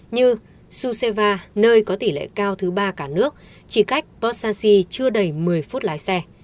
như suseva nơi có tỷ lệ cao thứ ba cả nước chỉ cách possaci chưa đầy một mươi phút lái xe